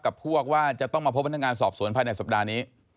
กับพวกว่าจะต้องมาพบพนักงานสอบสวนภายในสัปดาห์นี้